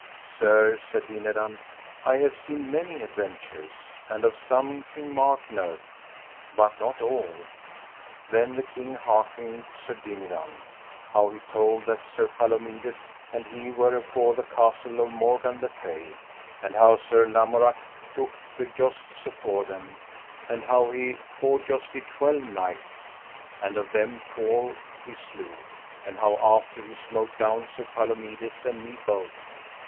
Sir, said Dinadan, I have seen many adventures, and of some King Mark knoweth, but not all. Then the king hearkened Sir Dinadan, how he told that Sir Palomides and he were afore the castle of Morgan le Fay, and how Sir Lamorak took the jousts afore them, and how he forjousted twelve knights, and of them four he slew, and how after he smote down Sir Palomides and me both.